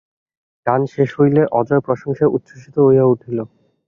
গান শেষ হইলে অজয় প্রশংসায় উচ্ছসিত হইয়া উঠিল।